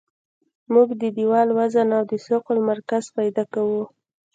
موږ د دیوال وزن او د ثقل مرکز پیدا کوو